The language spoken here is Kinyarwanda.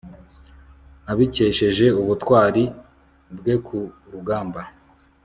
abikesheje ubutwari bwe ku rugamba